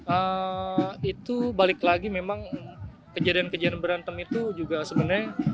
eee itu balik lagi memang kejadian kejadian berantem itu juga sebenarnya